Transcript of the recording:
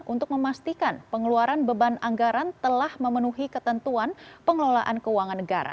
untuk memastikan pengeluaran beban anggaran telah memenuhi ketentuan pengelolaan keuangan negara